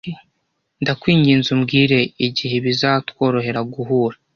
Ndakwinginze umbwire igihe bizatworohera guhura?